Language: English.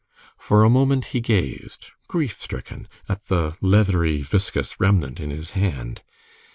For a moment he gazed, grief stricken, at the leathery, viscous remnant in his hand.